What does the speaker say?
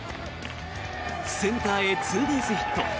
センターへツーベースヒット。